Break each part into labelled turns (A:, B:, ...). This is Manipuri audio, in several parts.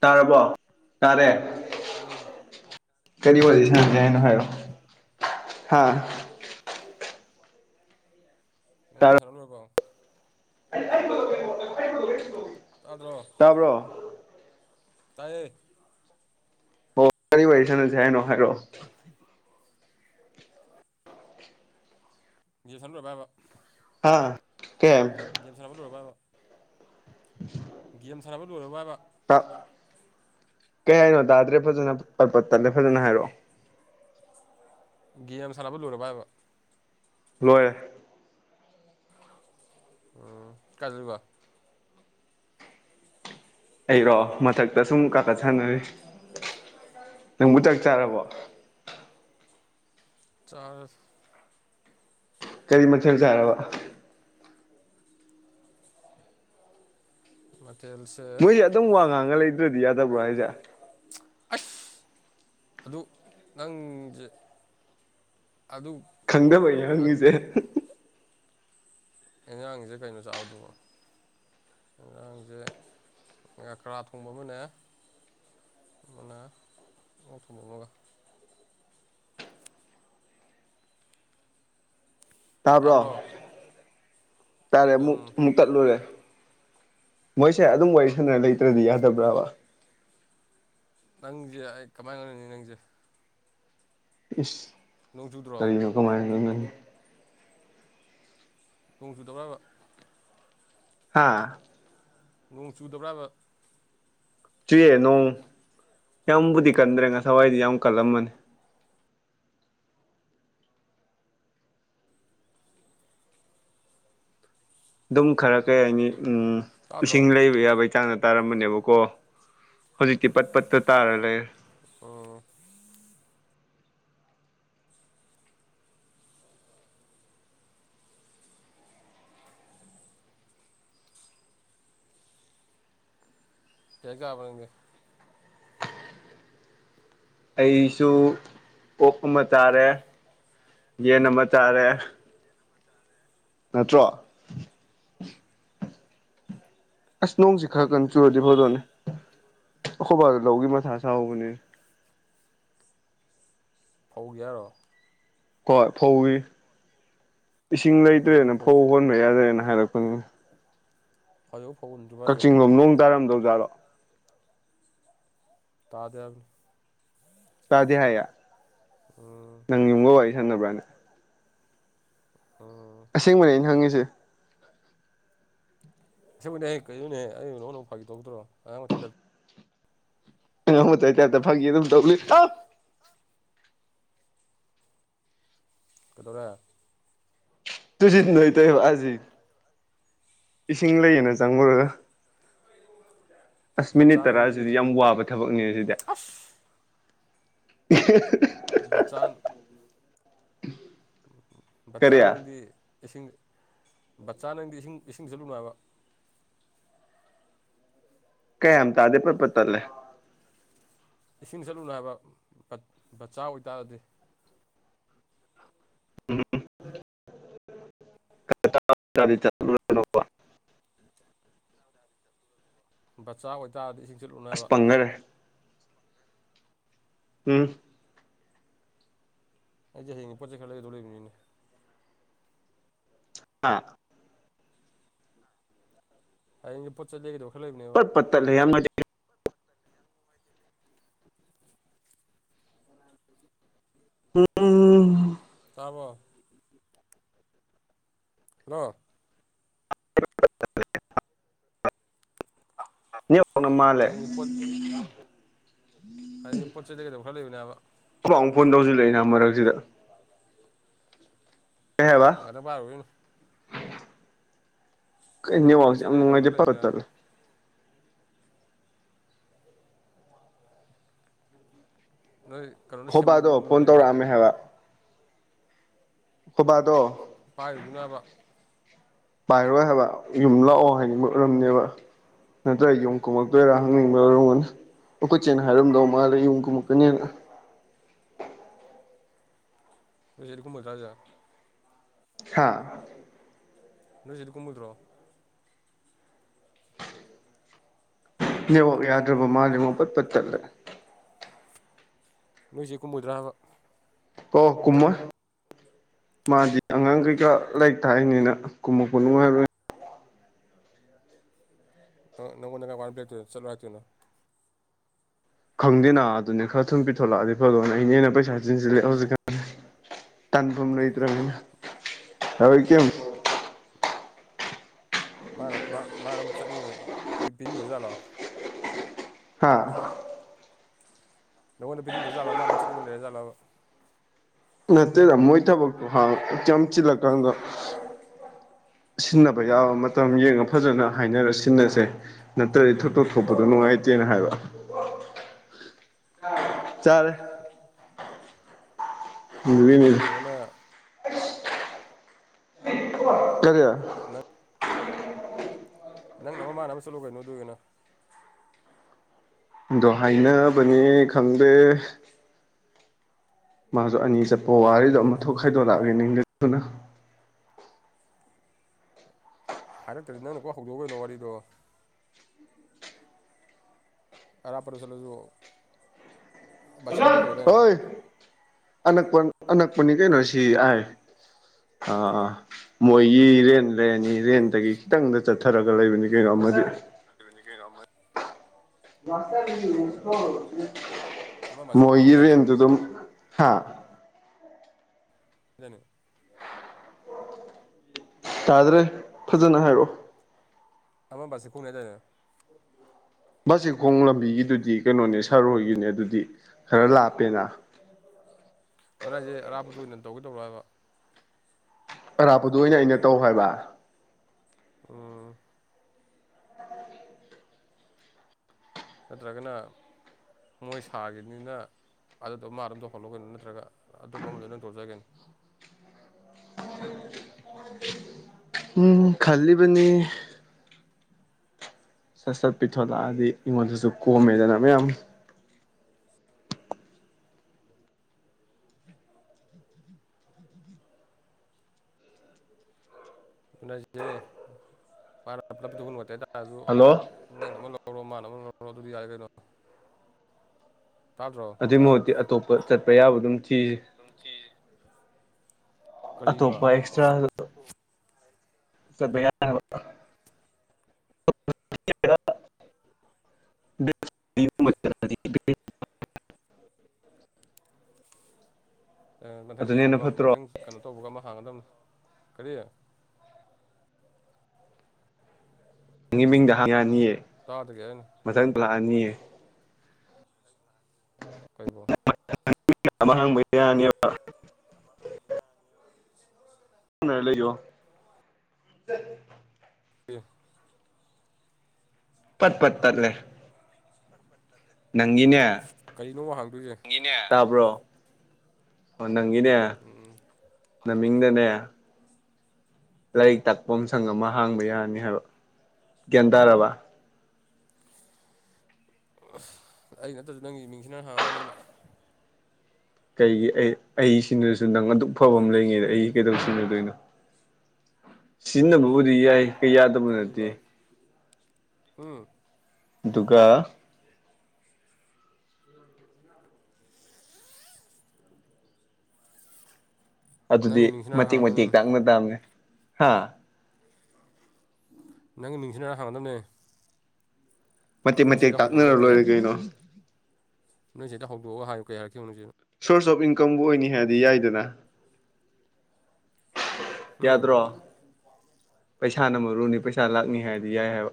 A: ꯇꯥꯔꯕꯣ ꯇꯥꯔꯦ
B: ꯎꯝ
A: ꯀꯔꯤ ꯋꯥꯔꯤ ꯁꯥꯅꯁ‌ꯦ
B: ꯌꯥꯏ
A: ꯍꯥꯏꯅ‌ꯣ
B: ꯌꯥꯏ
A: ꯍꯥꯏꯔꯣ ꯍꯥꯥ
B: ꯅꯪ ꯒ‌ꯦꯝ ꯁꯅꯥ ꯂ‌ꯣꯏꯔꯕꯣ
A: ꯑꯩ ꯑꯩ
B: ꯇꯥꯗ꯭ꯔꯣ
A: ꯇꯥꯕ꯭ꯔꯣ
B: ꯇꯥꯏꯌꯦ
A: ꯑꯣ ꯀꯔꯤ ꯋꯥꯔꯤ ꯁꯥꯟꯅꯁꯦ ꯍꯥꯏꯅꯣ ꯍꯥꯏꯔꯛꯑꯣ
B: [unintelligible] ꯂꯣꯏꯔꯕ ‌ꯍꯥꯏꯕ
A: ꯍꯥ ꯇꯦꯝ
B: ꯒꯦꯝ ꯁꯥꯟꯅꯕ ꯂꯣꯏꯔꯕ ꯍꯥꯏꯕ ꯒꯦꯝ ꯁꯥꯟꯅꯕ ꯂꯣꯏꯔꯕ ꯍꯥꯏꯕ
A: ꯇꯥ ꯀꯩ ꯍꯥꯏꯅꯣ ꯇꯥꯗ꯭ꯔꯦ ꯐꯖꯅ ꯄꯠ ꯄꯠ ꯇꯠꯂꯦ ꯐꯖꯅ ꯍꯥꯏꯔꯛꯑꯣ
B: ꯒꯦꯝ ꯁꯥꯟꯅꯕ ꯂꯣꯏꯔꯕ ꯍꯥꯏꯕ
A: ꯂꯣꯏꯔꯦ
B: ꯑꯣ ꯀꯗ꯭ꯔꯤꯕ
A: ꯑꯩꯔꯣ ꯃꯊꯛꯇ ꯁꯨꯝ ꯀꯥꯈꯠ ꯁꯥꯟꯅꯔꯤ ꯅꯪꯕꯨ ꯆꯥꯛ ꯆꯥꯔꯕꯣ
B: ꯆꯔꯦ
A: ꯀꯔꯤ ꯃꯊꯦꯜ ꯆꯥꯔꯕ
B: ꯃꯊꯦꯜꯁꯤ
A: ꯃꯣꯏꯁꯦ ꯑꯗꯨꯝ ꯋꯥ ꯉꯥꯡꯉ ꯂꯩꯗ꯭ꯔꯗꯤ ꯌꯥꯗꯕ꯭ꯔꯥ ꯍꯥꯏꯁꯦ
B: ꯑꯁ ꯑꯗꯨ ꯅꯪꯁꯦ ꯑꯗꯨ
A: ꯈꯪꯗꯕꯩꯅꯤ
B: ꯉꯥꯛ
A: ꯍꯪꯉꯤꯁꯦ
B: ꯉꯔꯥꯡꯒꯤꯁꯦ ꯀꯩꯅꯣ ꯆꯥꯕꯗꯨꯕꯣ ꯉꯔꯥꯡꯁꯦ ꯉꯥꯀ꯭ꯔꯥ ꯊꯣꯡꯕ ꯑꯃꯅꯦ ꯑꯃꯅ ꯑꯣꯛ ꯊꯣꯡꯕ ꯑꯃꯒ
A: ꯇꯥꯕ꯭ꯔꯣ ꯇꯥꯔꯦ
B: ꯑꯪ
A: ꯑꯃꯨꯛ ꯑꯃꯨꯛ ꯇꯠꯂꯨꯔꯦ ꯃꯣꯏꯁꯦ ꯑꯗꯨꯝ ꯋꯥꯔꯤ ꯁꯥꯟꯅꯔ ꯂꯩꯇ꯭ꯔꯗꯤ ꯌꯥꯗꯕ꯭ꯔꯕ
B: ꯅꯪꯁꯦ ꯑꯩ ꯀꯃꯥꯏꯅ ꯉꯥꯡꯅꯅꯤ ꯅꯪꯁꯦ
A: ꯏꯁ
B: ꯅꯣꯡ ꯖꯨꯗ꯭ꯔꯣ
A: ꯀꯃꯥꯏ ꯉꯥꯡꯅꯅꯤ
B: ꯅꯣꯡ ꯆꯨꯗ꯭ꯔꯥ‌ ꯍꯥꯏꯕ
A: ꯍꯥꯥ
B: ꯅꯣꯡ ꯆꯨꯗꯕ꯭ꯔ ꯍꯥꯏꯕ
A: ꯆꯨꯏꯌꯦ ꯅꯣꯡ ꯌꯥꯝꯕꯨꯗꯤ ꯀꯟꯗ꯭ꯔꯦ ꯉꯁꯥꯏꯋꯥꯏꯗꯤ ꯌꯥꯝ ꯀꯜꯂꯝꯕꯅꯤ ꯑꯗꯨꯝ ꯈꯔ ꯀꯩ ꯍꯥꯏꯅꯤ ꯎꯝ
B: ꯇꯥꯗ꯭ꯔꯣ
A: ꯏꯁꯤꯡ ꯂꯩꯕ ꯌꯥꯕꯩ ꯆꯥꯡꯗ ꯇꯥꯔꯝꯕꯅꯦꯕꯀꯣ ꯍꯧꯖꯤꯛꯇꯤ ꯄꯠ ꯄꯠꯇ ꯇꯥꯔ ꯂꯩ
B: ꯑꯣ ꯀꯩ ꯆꯥꯔꯕ ꯅꯪꯗꯤ
A: ꯑꯩꯁꯨ ꯑꯣꯛ ꯑꯃ ꯆꯥꯔꯦ ꯌꯦꯟ ꯑꯃ ꯆꯥꯔꯦ ꯅꯠꯇ꯭ꯔꯣ ꯑꯁ ꯅꯣꯡꯁꯤ ꯈꯔ
B: ꯑꯣꯛ
A: ꯀꯟꯅ ꯆꯨꯔꯗꯤ
B: ꯑꯣꯛ
A: ꯐꯗꯧꯅꯦ ꯑꯩꯈꯣꯏ ꯕꯥꯗꯣ ꯂꯧꯒꯤ ꯃꯊꯥ ꯁꯥꯍꯧꯕꯅꯦ
B: ꯐꯧꯒꯤ ꯍꯥꯏꯔꯣ
A: ꯍꯣꯏ ꯐꯧꯒꯤ ꯏꯁꯤꯡ ꯂꯩꯇ꯭ꯔꯦꯅ ꯐꯧ ꯍꯣꯟꯕ ꯌꯥꯗ꯭ꯔꯦꯅ ꯍꯥꯏꯔꯛꯄꯅꯤ
B: ꯍꯧꯖꯤꯛꯐꯥꯎ ꯐꯧ ꯍꯨꯟꯗ꯭ꯔꯤ
A: ꯀꯛꯆꯤꯡꯡꯂꯣꯝ ꯅꯣꯡ ꯇꯥꯔꯝꯗꯧꯖꯥꯠꯂꯣ
B: ꯇꯥꯗꯦ ꯍꯥꯏꯕꯅꯤ
A: ꯇꯥꯗꯤꯦ ꯍꯥꯏ
B: ꯎꯝ
A: ꯅꯪ ꯌꯨꯝꯒ ꯋꯥꯔꯤ ꯁꯥꯟꯟꯅꯕ꯭ꯔꯅꯦ
B: ꯑꯥ
A: ꯑꯁꯦꯡꯕꯅꯦ ꯑꯩꯅ ꯍꯪꯉꯤꯁꯦ
B: ꯑꯁꯦꯡꯕꯅꯦꯍꯦ ꯀꯩꯅꯣꯅꯦ ꯑꯩ ꯅꯉꯣꯟꯗꯃꯨꯛ ꯐꯥꯈꯤ ꯇꯧꯈꯤꯗ꯭ꯔꯣ ꯑꯉꯥꯡ ꯃꯆꯥꯒꯤ ꯇꯥꯏꯞꯇ
A: ꯑꯉꯥꯡ ꯃꯆꯥꯢ ꯇꯥꯢꯞ ꯇ ꯐꯥꯒꯤ ꯗꯨꯝ ꯇꯧ ꯂꯩ
B: ꯀꯗꯧꯔꯦ
A: ꯇꯨꯖꯤ ꯅꯣꯏ ꯇꯩꯔꯣ ꯑꯖꯦ ꯏꯁꯤꯡ ꯂꯩꯌꯦꯅ ꯆꯪꯉꯨꯔꯒ ꯑꯁ
B: ꯕꯆꯥ
A: ꯃꯤꯅꯤꯠ
B: ꯅꯪꯗꯤ
A: ꯇꯔꯥꯁꯤꯗꯤ ꯌꯥꯝ ꯋꯥꯕ ꯊꯕꯛꯅꯦ ꯑꯗꯨꯗꯦ
B: ꯑꯁ ꯕꯆꯥꯟ ꯕꯆꯥ
A: ꯀꯔꯤ
B: ꯅꯪꯗꯤ ꯏꯁꯤꯡ ꯕꯆꯥ ꯅꯪꯗꯤ ꯏꯁꯤꯡ ꯏꯁꯤꯡ ꯆꯠꯂꯨꯕ꯭ꯔꯕ
A: ꯀꯌꯥꯝ ꯇꯥꯗꯦ ꯄꯠ ꯄꯠ ꯇꯠꯂꯦ
B: ꯏꯁꯤꯡ ꯆꯠꯂꯨꯕ꯭ꯔ ꯍꯥꯏꯕ ꯕꯆꯥ ꯑꯣꯏꯇꯥꯔꯗꯤ
A: ꯎꯝ [unintelligible]
B: ꯕꯆꯥ ꯑꯣꯏꯇꯥꯔꯗꯤ ꯏꯁꯤꯡ
A: ꯑꯁ
B: [unintelligible]
A: ꯄꯪꯒꯔꯦ ꯎꯝ
B: ꯑꯩꯖꯦ ꯍꯌꯦꯡꯒꯤ ꯄꯣꯠ ꯆꯩ ꯈꯔ ꯂꯩꯗꯣꯔꯤꯝꯅꯤꯅꯦ
A: ꯑꯥ
B: ꯍꯌꯦꯡꯒꯤ ꯄꯣꯠ ꯆꯩ ꯂꯩꯒꯗꯕ ꯈꯔ ꯂꯩꯕꯅꯦꯕ
A: [unintelligible] ꯎꯝ ꯎꯝ
B: ꯇꯥꯕꯣ ꯑꯥ [unintelligible]
A: [unintelligible] ꯀꯨꯝꯕ ꯃꯥꯟꯂꯦ
B: ꯍꯌꯦꯡꯒꯤ ꯍꯥꯏꯗꯤ ꯄꯣꯠ ꯆꯩ ꯂꯩꯒꯗꯕ ꯈꯔ ꯂꯩꯕꯅꯦꯕ
A: [unintelligible] ꯁꯨ ꯂꯩꯔꯝꯃꯔꯣꯢ ꯑꯗꯨꯗ ꯀꯩ ꯍꯥꯢꯕ
B: ꯑꯗꯥ ꯄꯥꯢꯔꯨꯈꯤꯅꯨ
A: ꯀꯩ
B: ꯍꯌꯦꯡ
A: ꯅꯦꯠꯋꯥꯛ
B: ꯄꯣꯠ
A: ꯁꯦ
B: ꯆꯩ
A: ꯌꯥꯝ
B: ꯂꯩꯒꯗꯕ
A: ꯅꯨꯡꯉꯥꯢꯇꯦ
B: ꯈꯔ
A: ꯄꯠ ꯄꯠ
B: ꯂꯩꯕꯅꯦꯕ
A: ꯇꯠꯂꯦ ꯈꯣꯏꯕꯥꯗꯣ
B: [unintelligible]
A: ꯐꯣꯟ
B: ꯂꯩꯕ꯭ꯔꯣ
A: ꯇꯧꯔꯛꯑꯝꯃꯦ ꯈꯣ ꯕꯥꯗꯣ
B: ꯄꯥꯏꯔꯨꯒꯤꯅꯣ ꯍꯥꯏꯕ
A: ꯄꯥꯏꯔꯣꯏ ꯍꯥꯏꯕ ꯌꯨꯝ ꯂꯥꯛꯑꯣ ꯍꯥꯏꯅꯤꯡꯕ ꯎꯔꯝꯅꯦꯕ ꯅꯠꯇ꯭ꯔ ꯌꯨꯝ ꯀꯨꯝꯃꯛꯇꯣꯏꯔꯥ ꯍꯪꯅꯤꯡꯕ ꯑꯣꯏꯔꯝꯒꯅ ꯑꯈꯣꯏ ꯆꯦꯅ ꯍꯥꯏꯔꯝꯗꯧ ꯃꯥꯜꯂꯦ ꯌꯨꯝ ꯀꯨꯝꯃꯛꯀꯅꯤꯅ
B: [unintelligible]
A: ꯍꯥ
B: ꯅꯣꯏ ꯆꯦꯗꯤ ꯀꯨꯝꯃꯣꯢꯗ꯭ꯔꯣ
A: ꯅꯦꯠꯋꯥꯛ ꯌꯥꯗ꯭ꯔꯕ ꯃꯥꯜꯂꯦ ꯃꯨꯛ ꯄꯠ ꯄꯠ ꯇꯠꯂꯦ
B: ꯅꯣꯏꯆꯦ ꯀꯨꯝꯃꯣꯢꯗ꯭ꯔꯥ ꯍꯥꯢꯕ
A: ꯑꯣ ꯀꯨꯝꯃꯣꯢ ꯃꯥꯗꯤ ꯑꯉꯥꯡ ꯀꯩꯀꯥ ꯂꯥꯏꯔꯤꯛ ꯇꯥꯛꯏꯅꯤꯅ ꯀꯨꯝꯃꯛꯄ ꯅꯨꯡꯉꯥꯢꯔꯣꯢ
B: ꯑꯥ ꯅꯪꯉꯣꯟꯗ ꯉꯥꯡꯕ ꯋꯥ [unintelligible] ꯆꯠꯂꯣ ꯍꯥꯢꯔꯛꯇꯨꯢꯅꯤ
A: ꯈꯪꯗꯦꯅ ꯑꯗꯨꯅꯦ ꯈꯔ ꯊꯨꯅ ꯄꯤꯊꯣꯂꯛꯑꯗꯤ ꯐꯗꯨꯝꯅꯦ ꯢꯅꯦꯅꯥ ꯄꯩꯁꯥ ꯆꯤꯟꯁꯤꯜꯂꯦ ꯍꯧꯖꯤꯛꯀꯥꯟ ꯇꯥꯟꯐꯝ ꯂꯩꯇ꯭ꯔꯕꯅꯤꯅ [unintelligible]
B: ꯃꯥꯅ ꯃꯥ ꯃꯥꯅ [unintelligible]
A: ꯍꯥꯥ
B: ꯅꯉꯣꯟꯗ ꯄꯤꯡꯗꯖꯥꯠꯂꯕ ꯃꯥ ꯑꯗꯨꯝ ꯆꯠꯅꯤꯡꯉ ꯂꯩꯔꯖꯥꯠꯂꯕ
A: ꯅꯠꯇꯦꯗ ꯃꯣꯏ ꯊꯕꯛꯇꯣ ꯍꯥꯡ ꯆꯤꯌꯥꯝꯆꯤꯜꯂꯀꯥꯟꯗ ꯁꯤꯟꯅꯕ ꯌꯥꯎꯔ ꯃꯇꯝ ꯌꯦꯡꯉ ꯐꯖꯅ ꯍꯥꯏꯅꯔ ꯁꯤꯟꯅꯔꯁꯦ ꯅꯠꯇ꯭ꯔꯗꯤ ꯊꯧꯗꯣꯛ ꯊꯣꯛꯄꯗꯣ ꯅꯨꯡꯉꯥꯏꯇꯦꯅ ꯍꯥꯏꯕ
B: [unintelligible]
A: ꯆꯔꯦ
B: ꯑꯗꯨ
A: ꯑꯗꯨꯒꯤꯅꯤꯗ
B: ꯑꯣꯏꯔꯒꯅ
A: ꯀꯔꯤ
B: ꯅ ꯅꯪꯅ ꯑꯃ ꯃꯥꯅ ꯑꯃ ꯆꯠꯂꯨ ꯀꯩꯅꯣ ꯑꯗꯨꯑꯣꯏꯒꯅ
A: ꯑꯗꯣ ꯍꯥꯏꯅꯕꯅꯦ ꯈꯪꯗꯦ ꯃꯥꯁꯨ ꯑꯅꯤ ꯆꯠꯄ ꯋꯥꯔꯤꯗꯣ ꯑꯃ ꯊꯣꯛ ꯈꯥꯏꯗꯣꯔꯂꯛꯔꯤꯡꯅꯤꯒꯦꯗꯨꯅ
B: ꯍꯥꯏꯔꯛꯇ꯭ꯔꯗꯤ ꯅꯪꯅ ꯀꯣ ꯍꯧꯗꯣꯎ ꯀꯩꯅꯣ ꯋꯥꯔꯤꯗꯣ ꯑꯔꯥꯞꯄꯔ ꯆꯂꯁꯨ ꯕꯁꯤꯈꯣꯡꯗꯧ ꯇꯧꯋꯦꯗꯥꯏꯅꯦ
A: ꯍꯣꯏ ꯑꯅꯛꯄ ꯑꯅꯛꯄꯅꯤ ꯀꯩꯅꯣ ꯁꯤ ꯑꯥꯏ ꯑꯥ ꯑꯥ ꯃꯣꯏꯒꯤ ꯔꯦꯟ ꯂꯩꯔꯅꯤ ꯔꯦꯟꯇꯒꯤ ꯈꯤꯇꯪꯗ ꯆꯠꯊꯔꯒ ꯂꯩꯕꯅꯤ ꯀꯩꯅꯣ ꯑꯃꯗꯤ
B: ꯂꯩꯕꯅꯤ ꯀꯩꯅꯣ ꯑꯃ ꯑꯃ ꯕꯥꯁꯤꯈꯣꯡ
A: ꯃꯣꯏꯒꯤ
B: ꯍꯥꯏꯗꯥꯏꯅꯦ
A: ꯔꯦꯟꯇ ꯑꯗꯨ ꯍꯥꯥ
B: ꯑꯗꯨ
A: ꯇꯥꯗ꯭ꯔꯦ ꯐꯖꯅ ꯍꯥꯏꯔꯛꯑꯣ
B: ꯑꯃ ꯕꯁꯤꯈꯣꯡꯅꯦ ꯗꯥꯏꯅꯦ
A: ꯕꯥꯁꯤꯈꯣꯡ ꯂꯝꯕꯤꯒꯤꯗꯨꯗꯤ ꯀꯩꯅꯣꯅꯦ ꯁꯥꯔꯣꯏꯒꯤꯅꯦ ꯑꯗꯨꯗꯤ ꯈꯔ ꯂꯥꯞꯄꯦꯅ
B: ꯈꯔꯥꯏꯖꯦ ꯑꯔꯥꯞꯄꯗꯨ ꯑꯣꯏꯅ ꯇꯧꯒꯦ ꯇꯧꯔꯣ ꯍꯥꯏꯕ
A: ꯑꯔꯥꯞꯄꯗꯨ ꯑꯣꯏꯅ ꯑꯩꯅ ꯇꯧ ꯍꯥꯏꯕ
B: ꯎꯝ ꯅꯠꯇ꯭ꯔꯒꯅ ꯃꯣꯏ ꯁꯥꯈꯤꯕꯅꯤꯅ ꯑꯗꯨꯗꯣ ꯃꯥ ꯑꯗꯨꯝ ꯇꯧꯍꯜꯂꯣ ꯀꯩꯅꯣ ꯅꯠꯇ꯭ꯔꯒ ꯑꯇꯣꯞ ꯑꯃꯗ ꯅꯪ ꯇꯧꯔꯖꯨ ꯌꯥꯏ ꯀꯩꯅꯣ
A: ꯎꯝ ꯈꯜꯂꯤꯕꯅꯤ ꯁꯠ ꯁꯠ ꯄꯤꯊꯣꯂꯛꯑꯗꯤ ꯑꯩꯉꯣꯟꯗꯁꯨ ꯀꯣꯝꯃꯦꯗꯅ ꯃꯌꯥꯝ
B: ꯑꯗꯨꯅꯦꯍꯥꯏꯁꯦ ꯃꯅꯥ ꯄꯨꯂꯞ ꯄꯣꯊꯣ ꯅꯨꯡꯉꯥꯏꯇꯦ ꯍꯥꯏꯇꯥꯥꯔꯁꯨ
A: ꯍꯜꯂꯣ
B: ꯅꯪꯅ ꯑꯃ ꯂꯧꯔꯣ ꯃꯥꯅ ꯑꯃ ꯂꯧꯔꯣ ꯑꯗꯨꯗꯤ ꯌꯥꯔꯦ ꯀꯩꯅꯣ ꯇꯥꯗ꯭ꯔꯣ
A: ꯑꯗꯨꯏ ꯃꯍꯨꯠꯇꯤ ꯑꯇꯣꯞꯄ ꯆꯠꯄ ꯌꯥꯕ ꯑꯗꯨꯝ ꯊꯤꯔꯤ
B: ꯄꯨꯡꯊꯤ
A: ꯑꯇꯣꯞꯄ ꯑꯦꯛꯁꯇ꯭ꯔꯥ ꯆꯠꯄ ꯌꯥꯔꯕꯣ
B: ꯃꯊꯪ ꯆꯍꯤ
A: ꯑꯗꯨꯅ ꯍꯦꯟꯅ
B: ꯍꯧꯕꯒ
A: ꯐꯠꯇ꯭ꯔꯣ
B: ꯃꯊꯪ ꯀꯩꯅꯣ ꯇꯧꯕꯒ ꯑꯃ ꯍꯥꯡꯒꯗꯝꯕꯅꯤ ꯀꯔꯤ
A: ꯅꯪꯒꯤ ꯃꯤꯡꯗ ꯍꯥꯡ ꯌꯥꯅꯤꯌꯦ
B: ꯇꯥꯗꯒꯩ ꯑꯩꯅ
A: ꯃꯊꯪ ꯄ꯭ꯂꯥꯟꯅꯤꯌꯦ
B: ꯀꯩꯕꯣ
A: ꯑꯃ ꯍꯥꯡꯕ ꯌꯥꯅꯦꯕ ꯅ ꯂꯩꯌꯣ
B: ꯄꯤꯌꯨ
A: ꯄꯠ ꯄꯠ ꯇꯠꯂꯦ ꯅꯪꯒꯤꯅꯦ
B: ꯀꯩꯅꯣ ꯍꯥꯡꯗꯣꯏꯁꯦ
A: ꯇꯥꯕ꯭ꯔꯣ ꯑꯣ ꯅꯪꯒꯤꯅꯦ
B: ꯎꯝ
A: ꯅꯃꯤꯡꯗꯅꯦ ꯂꯥꯏꯔꯤꯛ ꯇꯥꯛꯄꯝ ꯁꯪ ꯑꯃ ꯍꯥꯡꯕ ꯌꯥꯔꯅꯤ ꯍꯥꯏꯕ ꯒ꯭ꯌꯥꯟ ꯇꯥꯔꯕ
B: ꯑꯁ ꯑꯩ ꯅꯠꯇ꯭ꯔꯖꯨ ꯅꯪꯒꯤ ꯃꯤꯡꯁꯤꯅ ꯍꯥꯟ ꯗꯨꯅꯤ ꯑꯩꯅ
A: ꯀꯩꯒꯤ ꯑꯩ ꯑꯩ ꯁꯤꯟꯗ꯭ꯔꯁꯨ ꯅꯪ ꯑꯗꯨꯛ ꯐꯕ ꯑꯃ ꯂꯩꯉꯩꯗ ꯑꯩ ꯀꯩꯗꯧ ꯁꯤꯟꯅꯗꯣꯏꯅꯣ ꯁꯤꯟꯅꯕꯕꯨꯗꯤ ꯌꯥꯏ ꯀꯩ ꯌꯥꯗꯕ ꯅꯠꯇꯦ
B: ꯍꯥ
A: ꯑꯗꯨꯒ ꯑꯗꯨꯗꯤ
B: ꯅꯪꯒꯤ ꯃꯤꯡꯁꯤꯅ
A: ꯃꯇꯦꯛ
B: ꯍꯥꯡꯒꯗꯕꯅꯤ
A: ꯃꯇꯦꯛ ꯇꯥꯡꯅ ꯇꯝꯅꯦ ꯍꯥ
B: ꯅꯪ ꯃꯤꯡꯁꯤꯅ ꯍꯥꯟ ꯅꯅꯦ
A: ꯃꯇꯦꯛ ꯃꯇꯦꯛ
B: ꯍꯧꯗꯣꯛꯑꯒ
A: ꯇꯥꯛꯅꯔꯥ ꯂꯣꯏꯔꯦ ꯀꯩꯅꯣ
B: ꯅꯣꯏꯆꯦꯗꯣ ꯍꯧꯗꯣꯛꯑ ꯍꯥꯏꯌꯨ ꯀꯩ ꯍꯥꯏꯔꯛꯀꯦ ꯌꯦꯉꯨ ꯅꯣꯏ ꯆꯦꯅꯥ
A: ꯁꯣꯔꯁ ꯑꯣꯐ ꯏꯟꯀꯝꯕꯨ ꯑꯣꯏꯅꯤ ꯍꯥꯏꯗꯤ ꯌꯥꯏꯗꯅ
B: ꯎꯝ
A: ꯌꯥꯗ꯭ꯔꯣ ꯄꯩꯁꯥꯅ ꯃꯔꯨꯅꯤ ꯄꯩꯁꯥ ꯂꯥꯛꯅꯤ ꯍꯥꯏꯗꯤ ꯌꯥꯏ ꯍꯥꯏꯕ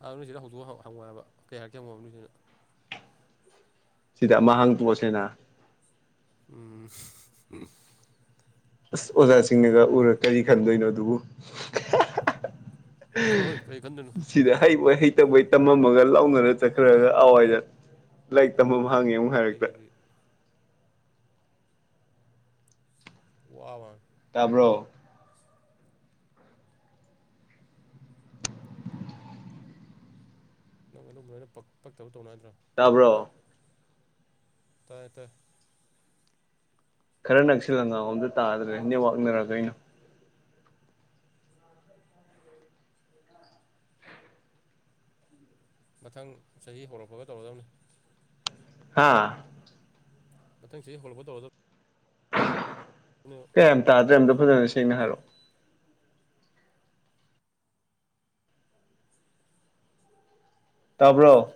B: ꯑ ꯅꯣꯏꯆꯦꯗ ꯍꯧꯗꯣꯛ ꯍ ꯍꯪꯉꯣ ꯍꯥꯏꯕ ꯀꯩ ꯍꯥꯏꯔꯛꯀꯦ ꯍꯪꯉꯣꯕ ꯅꯣꯏꯆꯦꯗ
A: ꯁꯤꯗ ꯑꯃ ꯍꯥꯡꯇꯣꯛ ꯑꯁꯦꯅ
B: ꯎꯝ
A: ꯑꯁ ꯑꯣꯖꯥꯁꯤꯡꯅꯒ ꯎꯔ ꯀꯔꯤ ꯈꯟꯗꯣꯏꯅꯣ ꯑꯗꯨꯕꯨ
B: ꯆꯠꯂꯣꯍꯦ ꯀꯔꯤ ꯈꯟꯗꯣꯏꯅꯣ
A: ꯁꯤꯗ ꯍꯩꯕꯣꯏ ꯍꯩꯇꯕꯣꯏ ꯇꯝꯃꯝꯃꯒ ꯂꯥꯎꯅꯔ ꯆꯠꯈ꯭ꯔꯒ ꯑꯥꯛꯋꯥꯏꯗ ꯂꯥꯏꯔꯤꯛ ꯇꯝꯐꯝ ꯍꯪꯉꯦ ꯑꯃꯨꯛ ꯍꯥꯏꯔꯛꯇ
B: ꯋꯥꯔꯤꯗꯤ ꯋꯥꯋꯥ
A: ꯇꯥꯕ꯭ꯔꯣ
B: ꯅꯪ ꯑꯗꯨꯝꯕ ꯑꯩꯅ ꯄꯛ ꯄꯛꯇꯕ ꯇꯧꯅꯣ ꯍꯥꯏꯗ꯭ꯔꯥ
A: ꯇꯥꯕ꯭ꯔꯣ
B: ꯇꯥꯏ ꯇꯥꯏ
A: ꯈꯔ ꯅꯛꯁꯤꯜꯂ ꯉꯥꯡꯉꯣ ꯑꯃꯇꯪ ꯇꯥꯗ꯭ꯔꯦ ꯅꯦꯠꯋꯥꯛꯅꯔ ꯀꯩꯅꯣ
B: ꯃꯊꯪ ꯆꯍꯤ ꯍꯧꯔꯛꯄꯒ ꯇꯧꯔꯗꯝꯅꯤ
A: ꯍꯥꯥ
B: ꯃꯊꯪ ꯆꯍꯤ ꯍꯧꯒꯠꯂꯛꯄ ꯇꯧꯔꯗꯝ ꯑꯅꯨ
A: ꯀꯩꯝ ꯇꯥꯗ꯭ꯔꯦ ꯑꯝꯇ ꯐꯖꯅ ꯁꯦꯡꯅ ꯍꯥꯏꯔꯑꯣ ꯇꯕ꯭ꯔꯣ